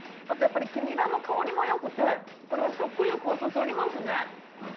あとやっぱり黄ニラの香りも良くてこれは食欲をそそりますね。